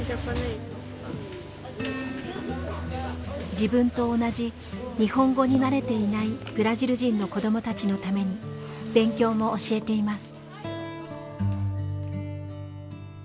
自分と同じ日本語に慣れていないブラジル人の子どもたちのために勉強も教えています。